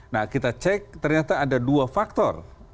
nah kita cek ternyata ada dua faktor